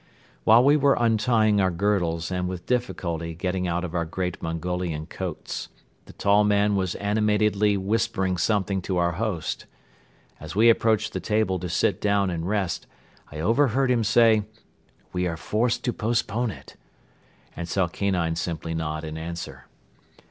While we were untying our girdles and with difficulty getting out of our great Mongolian coats, the tall man was animatedly whispering something to our host. As we approached the table to sit down and rest, I overheard him say: "We are forced to postpone it," and saw Kanine simply nod in answer.